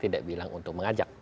tidak bilang untuk mengajak